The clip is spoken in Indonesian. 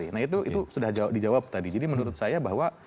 nah itu sudah dijawab tadi jadi menurut saya bahwa